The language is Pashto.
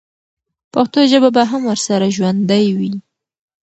پښتو ژبه به هم ورسره ژوندۍ وي.